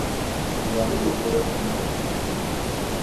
D wa i d ugur akked umahil-a.